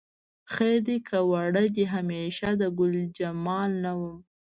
خیر دی که وړ دې همیشه د ګلجمال نه وم